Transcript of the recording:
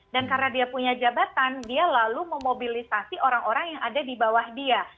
dan karena dia punya jabatan dia lalu memobilisasi orang orang yang ada di bawah dia